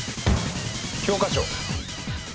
教科書。